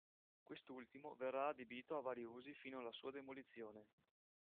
Quest'ultimo verrà adibito a vari usi fino alla sua demolizione.